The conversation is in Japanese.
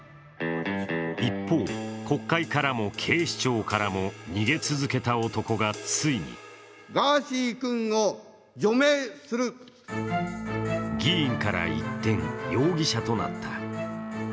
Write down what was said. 一方、国会からも警視庁からも逃げ続けた男がついに議員から一転、容疑者となった。